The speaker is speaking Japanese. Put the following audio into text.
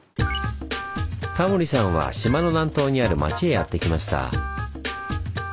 タモリさんは島の南東にある町へやって来ました。